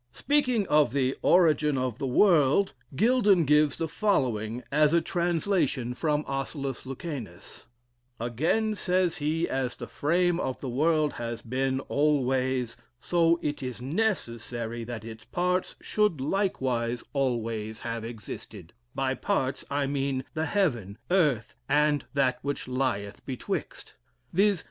Speaking of the "origin of the world," Gildon gives the following as a translation from Ocellus Lucanas: "Again (says he,) as the frame of the world has been always, so it is necessary that its parts should likewise always have existed; by parts, I mean the heaven, earth, and that which lieth betwixt viz.